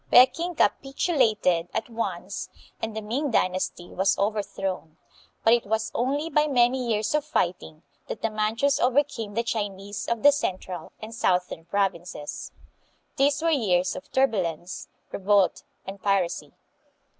Pekin capitulated at THE DUTCH AND MORO WARS. 1600 1663. 209 once and the Ming dynasty was overthrown, but it was only by many years of fighting that the Manchus over came the Chinese of the central and southern provinces. These were years of turbulance, revolt, and piracy.